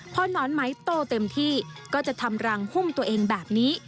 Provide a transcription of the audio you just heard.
พอหนอนไหมโตเต็มที่ก็จะทำรังหุ้มตัวเองแบบนี้